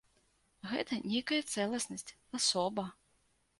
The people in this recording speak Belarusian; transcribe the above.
Гэта нейкая цэласнасць, асоба.